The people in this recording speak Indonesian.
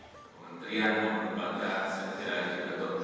kementerian lembaga segera diketuk